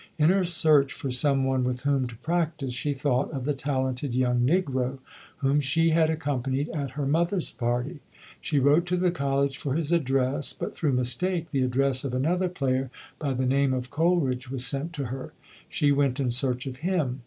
In her search for some one with whom to practice, she thought of the talented young Negro whom she had accom panied at her mother's party. She wrote to the College for his address but through mistake, the address of another player by the name of Cole ridge was sent to her. She went in search of him.